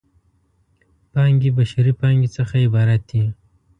پانګې بشري پانګې څخه عبارت دی.